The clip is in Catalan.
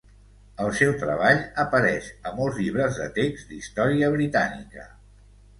El seu treball apareix a molts llibres de text d"història britànica.